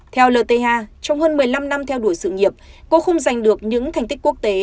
theo lth trong hơn một mươi năm năm theo đuổi sự nghiệp cô không giành được những thành tích quốc tế